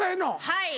はい。